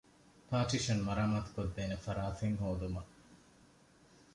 ޕާޓިޝަން މަރާމާތުކޮށްދޭނެ ފަރާތެއް ހޯދުމަށް